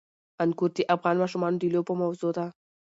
انګور د افغان ماشومانو د لوبو موضوع ده.